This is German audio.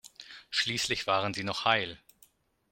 Schließlich waren sie noch heil.